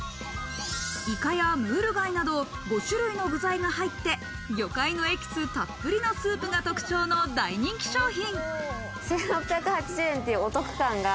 イカやムール貝など５種類の具材が入って、魚介のエキスたっぷりのスープが特徴の大人気商品。